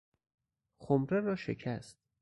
خمره را شکست